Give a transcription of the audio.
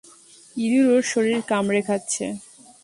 ইঁদুর ওর শরীর কামড়ে খাচ্ছে।